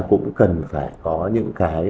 cũng cần phải có những cái